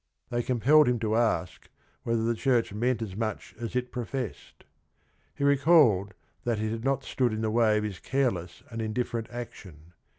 They compelled him to ask whether the church meant as much as it professed. He recalled that it had not stood in the way of his careless and indifferent action.